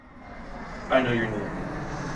I know your name.